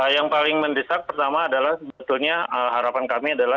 yang paling mendesak pertama adalah sebetulnya harapan kami adalah